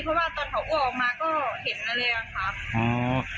เพราะว่าตอนเขาอ้วกออกมาก็เห็นเลยอะค่ะ